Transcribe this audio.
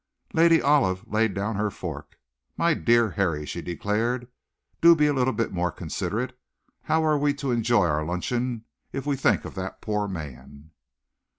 Lady Olive laid down her fork. "My dear Harry," she declared, "do be a little more considerate. How are we to enjoy our luncheon if we think of that poor man?"